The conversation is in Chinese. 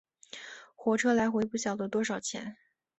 火车来回不晓得多少钱